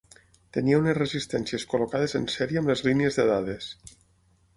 Tenia unes resistències col·locades en sèrie amb les línies de dades.